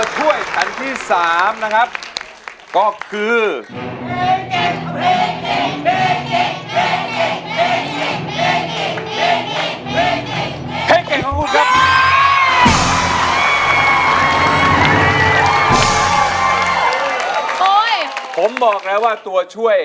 ใช้